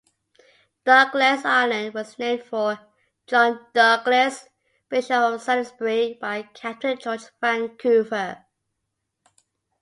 Douglas Island was named for John Douglas, Bishop of Salisbury, by Captain George Vancouver.